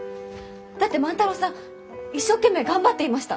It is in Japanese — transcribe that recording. だって万太郎さん一生懸命頑張っていました！